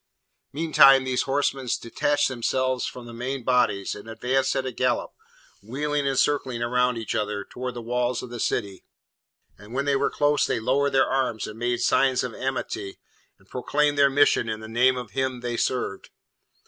Meantime these horsemen detached themselves from the main bodies and advanced at a gallop, wheeling and circling round each other, toward the walls of the city, and when they were close they lowered their arms and made signs of amity, and proclaimed their mission and the name of him they served.